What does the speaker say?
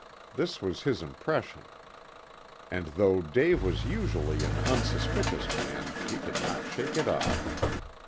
This was his impression, and though Dave was usually an unsuspicious man, he could not shake it off.